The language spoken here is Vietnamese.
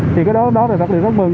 thì cái đó là đặc biệt rất mừng